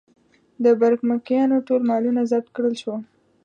د برمکیانو ټول مالونه ضبط کړل شول.